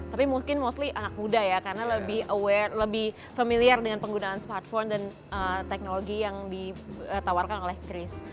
tapi mungkin mostly anak muda ya karena lebih aware lebih familiar dengan penggunaan smartphone dan teknologi yang ditawarkan oleh chris